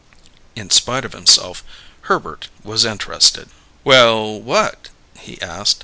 In spite of himself, Herbert was interested. "Well, what?" he asked.